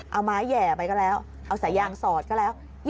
เอาไม้แห่ไปก็แล้วเอาสายยางสอดก็แล้ว